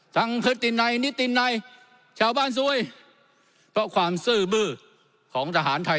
ทั้งขึ้นดินในนิดดินในชาวบ้านซวยเพราะความซื้อเบื้อของทหารไทย